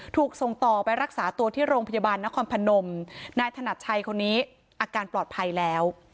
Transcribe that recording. ถูกส่งต่อไปรักษาตัวที่โรงพยาบาลนครพนมนายถนัดชัยคนนี้อาการปลอดภัยแล้ว